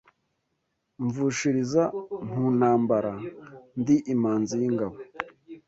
Mvushiriza mu ntambara ndi imanzi y,ingabo